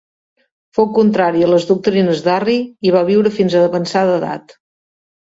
Fou contrari a les doctrines d'Arri i va viure fins avançada edat.